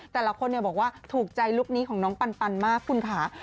แต่ละคนบอกว่าถูกใจลุคนี้ของน้องปันมากคุณค่ะ